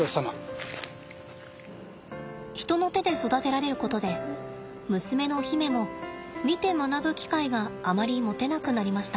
人の手で育てられることで娘の媛も見て学ぶ機会があまり持てなくなりました。